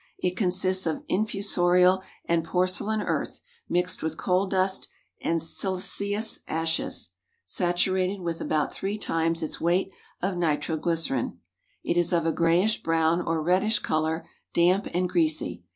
It consists of infusorial and porcelain earth, mixed with coal dust and siliceous ashes, saturated with about three times its weight of nitro glycerine. It is of a grayish brown or reddish color, damp, and greasy.